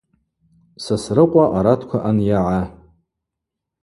Сосрыкъва аратква анйагӏа.